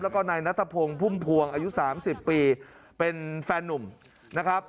แล้วก็นายนัทพงศ์พุ่มพวงอายุ๓๐ปีเป็นแฟนนุ่มนะครับ